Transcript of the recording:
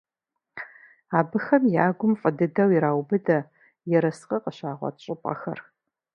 Абыхэм я гум фӀы дыдэу ираубыдэ ерыскъы къыщагъуэт щӀыпӀэхэр.